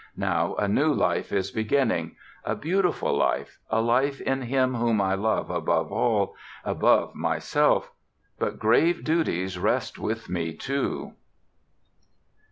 Now a new life is beginning, a beautiful life, a life in him whom I love above all, above myself. But grave duties rest with me, too...".